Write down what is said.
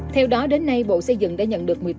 theo đó đến nay bộ xây dựng đã nhận được